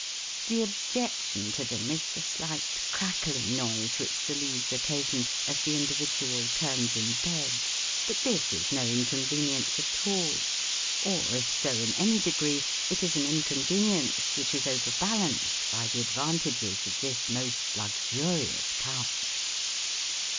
The objection to them is the slight crackling noise which the leaves occasion as the individual turns in bed, but this is no inconvenience at all; or if so in any degree, it is an inconvenience which is overbalanced by the advantages of this most luxurious couch."